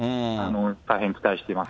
大変期待しています。